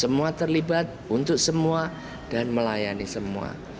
semua terlibat untuk semua dan melayani semua